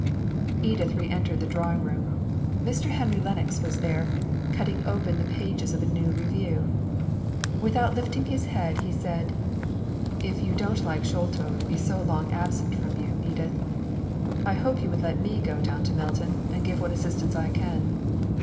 Edith re entered the drawing room. Mr. Henry Lennox was there, cutting open the pages of a new Review. Without lifting his head, he said, "If you don't like Sholto to be so long absent from you, Edith, I hope you will let me go down to Milton, and give what assistance I can."